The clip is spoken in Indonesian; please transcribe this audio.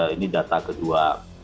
ini data kedua